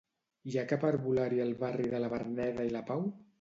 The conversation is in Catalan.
Hi ha cap herbolari al barri de la Verneda i la Pau?